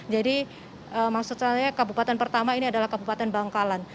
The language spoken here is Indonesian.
jadi maksud saya kabupaten pertama ini adalah kabupaten bangkalan